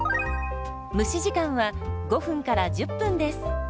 蒸し時間は５１０分です。